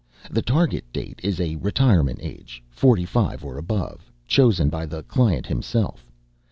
The Target Date is a retirement age, forty five or above, chosen by the client himself.